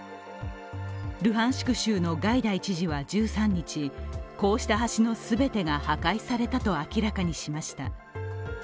ルハンシク州のガイダイ知事は１３日、こうした橋のすべてが破壊されたと明らかにしました。